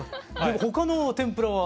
他の天ぷらは？